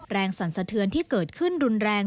สั่นสะเทือนที่เกิดขึ้นรุนแรง